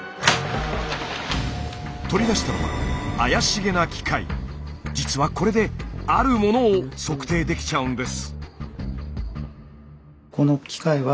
取り出したのは実はこれであるものを測定できちゃうんです。